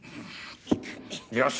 よし！